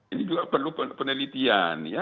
ini juga perlu penelitian ya